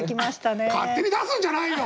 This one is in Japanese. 勝手に出すんじゃないよ！